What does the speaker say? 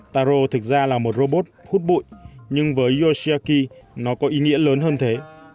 taro thực ra là một robot hút bụi nhưng với yoshiki nó có ý nghĩa lớn hơn thế